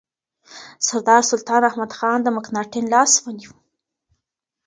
سردار سلطان احمدخان د مکناتن لاس ونیو.